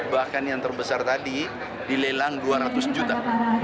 bahkan yang terbesar tadi dilelang dua ratus juta